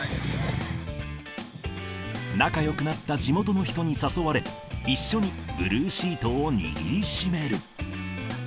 仲よくなった地元の人に誘われ、一緒にブルーシートを握りしめる。